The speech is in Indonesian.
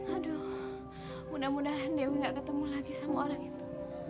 aduh mudah mudahan dewi gak ketemu lagi sama orang itu